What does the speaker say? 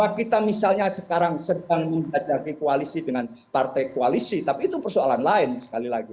kalau kita misalnya sekarang sedang menjajaki koalisi dengan partai koalisi tapi itu persoalan lain sekali lagi